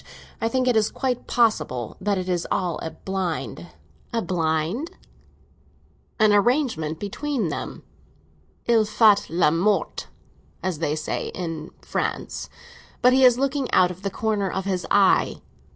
I think it is quite possible that it is all a blind." "A blind?" "An arrangement between them. Il fait le mort, as they say in France; but he is looking out of the corner of his eye.